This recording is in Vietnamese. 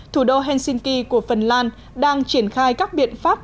thủ đô helsinki của phần lan đang triển khai các biện pháp